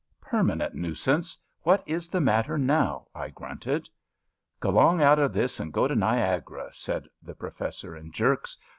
*^ Permanent Nuisance, what is the matter now? '* I grunted. " G'long out of this and go to Niagara,'' said 164 CHAUTAUQUAED 165 the Professor in jerks.